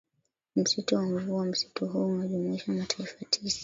msitu wa mvua Msitu huo unajumuisha mataifa tisa